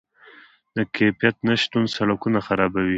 د کیفیت نشتون سرکونه خرابوي.